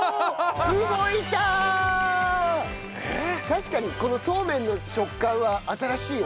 確かにこのそうめんの食感は新しいよね。